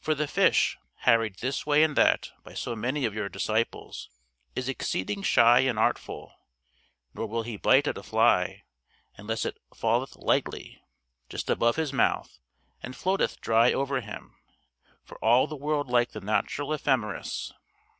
For the fish, harried this way and that by so many of your disciples, is exceeding shy and artful, nor will he bite at a fly unless it falleth lightly, just above his mouth, and floateth dry over him, for all the world like the natural ephemeris.